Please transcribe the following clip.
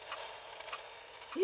え？